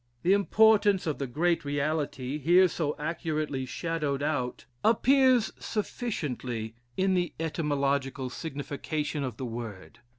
The importance of the great reality, here so accurately shadowed out, appears sufficiently in the etymological signification of the word.